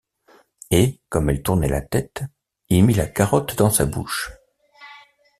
Et, comme elle tournait la tête, il mit la carotte dans sa bouche.